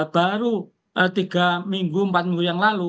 baru tiga minggu empat minggu yang lalu